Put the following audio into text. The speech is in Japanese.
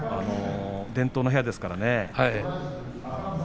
伝統の部屋ですからね。